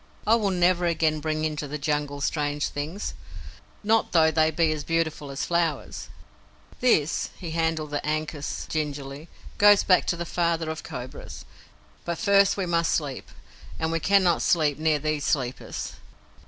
"I will never again bring into the Jungle strange things not though they be as beautiful as flowers. This" he handled the ankus gingerly "goes back to the Father of Cobras. But first we must sleep, and we cannot sleep near these sleepers.